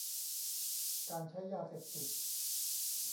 การใช้ยาเสพติด